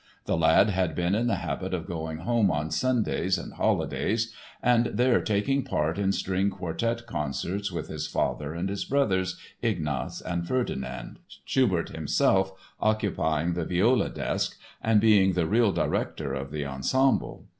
The lad had been in the habit of going home on Sundays and holidays and there taking part in string quartet concerts with his father and his brothers, Ignaz and Ferdinand, Schubert himself occupying the viola desk and being the real director of the ensemble.